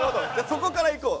そこからいこう。